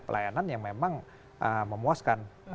pelayanan yang memang memuaskan